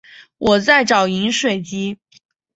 我在找饮水机